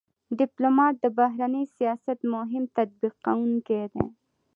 ډيپلومات د بهرني سیاست مهم تطبیق کوونکی دی.